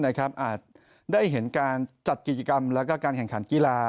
อาจได้เห็นการจัดกิจกรรมแล้วก็การแข่งขันกีฬา